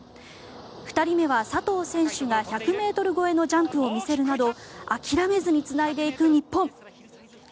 ２人目は佐藤選手が１００ｍ超えのジャンプを見せるなど諦めずにつないでいく日本。